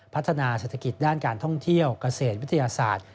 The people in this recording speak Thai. พัฒนาเศรษฐกิจด้านการท่องเที่ยวเกษตรวิทยาศาสตร์